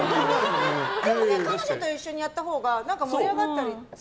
でも彼女と一緒にやったほうが盛り上がったりとかさ。